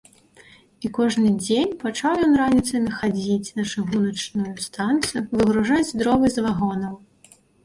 І кожны дзень пачаў ён раніцамі хадзіць на чыгуначную станцыю выгружаць дровы з вагонаў.